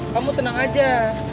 kamu tenang aja